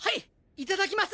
いただきます。